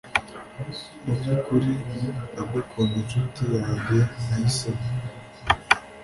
Mubyukuri nagukunze inshuti yanjye nahisemo